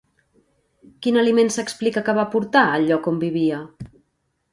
Quin aliment s'explica que va portar al lloc on vivia?